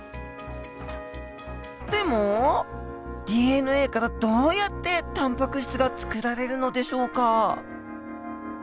でもＤＮＡからどうやってタンパク質が作られるのでしょうか？